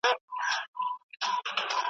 کله به رڼا سي، وايي بله ورځ .